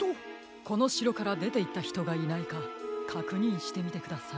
このしろからでていったひとがいないかかくにんしてみてください。